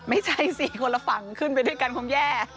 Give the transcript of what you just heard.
ไม่ใช่สิคนละฝั่งขึ้นไปด้วยกันคงแย่